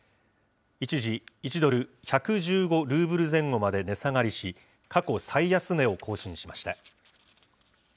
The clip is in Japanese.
一時、１ドル１１５ルーブル前後まで値下がりし、過去最安値を更新しました。